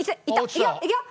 いくよいくよ！